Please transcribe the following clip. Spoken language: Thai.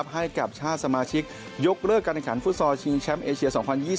ให้กับชาติสมาชิกยกเลิกการแข่งขันฟุตซอลชิงแชมป์เอเชีย๒๐๒๐